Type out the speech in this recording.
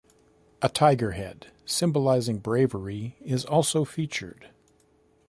A tiger head, symbolizing bravery, is also featured.